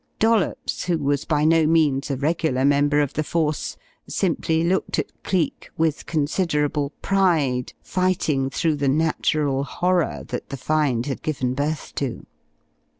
Dollops, who was by no means a regular member of the force, simply looked at Cleek with considerable pride fighting through the natural horror that the find had given birth to.